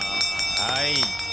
はい。